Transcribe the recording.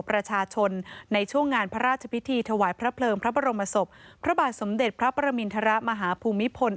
พระราชพิธีถวายพระเพลิงพระบรมศพพระบาทสมเด็จพระประมินทรมาฮภูมิพล